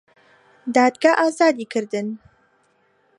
دادگا ئازادی کردن